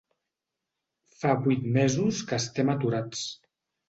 Fa vuit mesos que estem aturats.